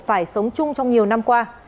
phải sống chung trong nhiều năm qua